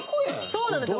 そうなんですよ。